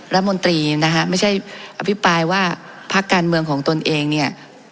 รัฐมนตรีนะฮะไม่ใช่อภิปรายว่าพักการเมืองของตนเองเนี่ย